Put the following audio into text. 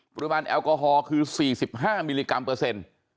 ปริมาณแอลกอฮอลคือ๔๕มิลลิกรัมเปอร์เซ็นต์